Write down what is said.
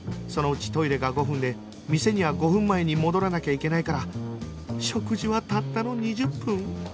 そのうちトイレが５分で店には５分前に戻らなきゃいけないから食事はたったの２０分？